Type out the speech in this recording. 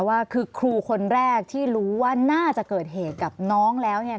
ว่าคือครูคนแรกที่รู้ว่าน่าจะเกิดเหตุกับน้องแล้วเนี่ย